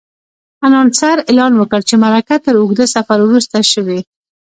انانسر اعلان وکړ چې مرکه تر اوږده سفر وروسته شوې.